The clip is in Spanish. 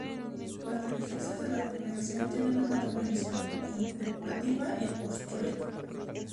Las religiosas de la Congregación tienen una doble misión: contemplativa y apostólica.